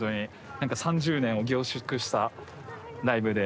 何か３０年を凝縮したライブで。